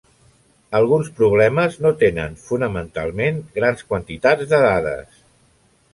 Alguns problemes no tenen fonamentalment grans quantitats de dades.